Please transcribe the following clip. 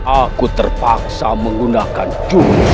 aku terpaksa menggunakan jurus